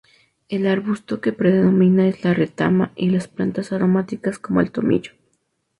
El arbusto que predomina es la retama y las plantas aromáticas como el tomillo.